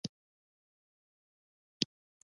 جمعه خان وویل، بشپړې پیسې نه درکوي.